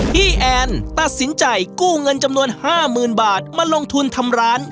แอนตัดสินใจกู้เงินจำนวน๕๐๐๐บาทมาลงทุนทำร้าน